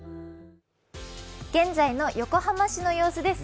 現在の横浜市の様子です。